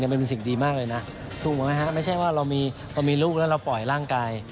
มันเป็นสิ่งดีมากเลยนะถูกไหมฮะไม่ใช่ว่าเรามีลูกแล้วเราปล่อยร่างกาย